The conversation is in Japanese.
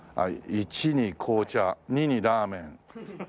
一に紅茶二にラーメン。